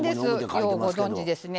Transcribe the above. ようご存じですね。